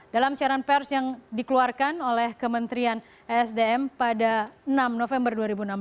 dalam siaran pers yang dikeluarkan oleh kementerian esdm pada enam november dua ribu enam belas